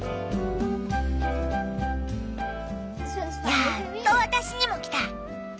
やっと私にもきた！